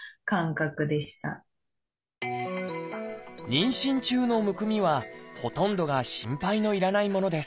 妊娠中のむくみはほとんどが心配の要らないものです。